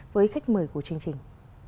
với khách mời của chương trình